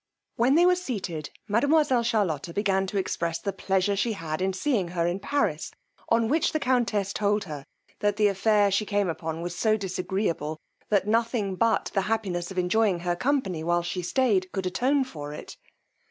When they were seated, mademoiselle Charlotta began to express the pleasure she had in seeing her in Paris; on which the countess told her, that the affair she came upon was so disagreeable, that nothing but the happiness of enjoying her company, while she stayed, could attone for it.